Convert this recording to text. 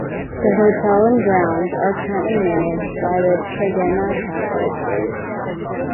The hotel and grounds are currently managed by the Tregenna Castle Estate.